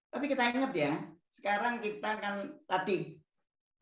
tapi kita ingat ya sekarang kita akan latih